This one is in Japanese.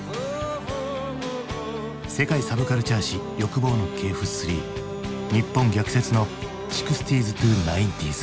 「世界サブカルチャー史欲望の系譜３日本逆説の６０−９０ｓ」。